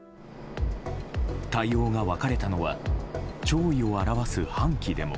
対応が分かれたのは弔意を表す半旗でも。